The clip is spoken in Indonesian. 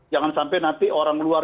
jangan sampai nanti orang luar